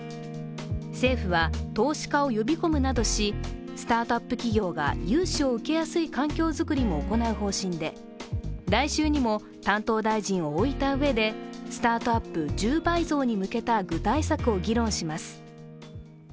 政府は、投資家を呼び込むなどしスタートアップ企業が融資を受けやすい環境づくりを行う方針で来週にも担当大臣を置いたうえでスタートアップ１０倍増に向けた具体策を議論します。